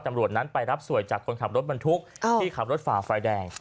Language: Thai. ตำรวจนั้นไปรับสวยจากคนขับรถบรรทุกที่ขับรถฝ่าไฟแดง